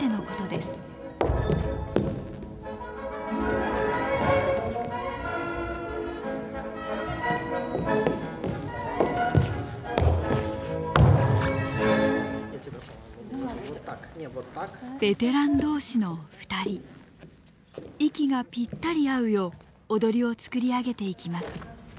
息がぴったり合うよう踊りをつくり上げていきます。